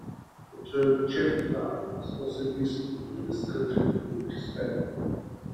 The term "checked vowel" is also useful in the description of English spelling.